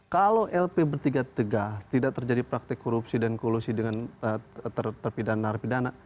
kalau lp bertiga tegas tidak terjadi praktek korupsi dan kolusi dengan terpidana narapidana